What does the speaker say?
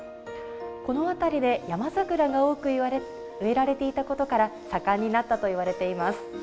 この辺りで山桜が多く植えられていたことから盛んになったといわれています。